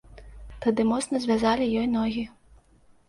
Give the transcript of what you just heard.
Тады моцна звязалі ёй ногі.